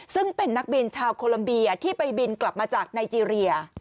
ซึ่งเป็นนักบินชาวโคลัมเบียที่ไปบินกลับมาจากไนเจรีย